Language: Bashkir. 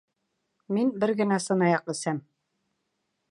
Мин бер генә сынаяҡ әсәм